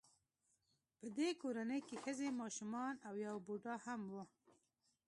په دې کورنۍ کې ښځې ماشومان او یو بوډا هم و